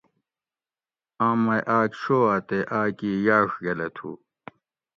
آم مئ آۤک شہو اۤ تے آۤک ای یاڔگۤلہ تھُو